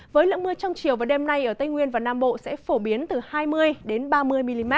với lượng mưa trong chiều và đêm nay ở tây nguyên và nam bộ sẽ phổ biến từ hai mươi ba mươi mm